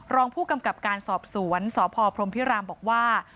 รองผู้กำกับการสอบสวนสพพรมพิรามบอกว่า